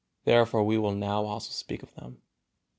Therefore we will now also speak of them.